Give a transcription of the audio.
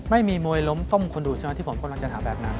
ไม่มีมวยล้มต้มคนดูใช่ไหมที่ผมกำลังจะถามแบบนั้น